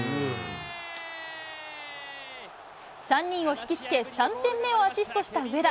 ３人を引き付け、３点目をアシストした上田。